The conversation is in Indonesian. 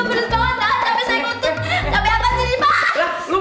aduh bener banget dah cabai saya kutuk